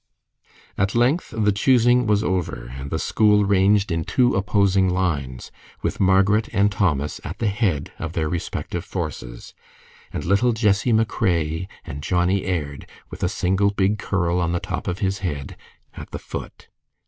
At length the choosing was over, and the school ranged in two opposing lines, with Margaret and Thomas at the head of their respective forces, and little Jessie MacRae and Johnnie Aird, with a single big curl on the top of his head, at the foot.